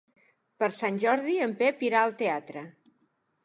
Per Sant Jordi en Pep irà al teatre.